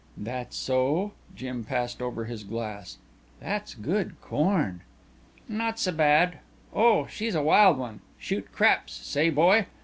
"That so?" Jim passed over his glass. "That's good corn." "Not so bad. Oh, she's a wild one. Shoot craps, say, boy!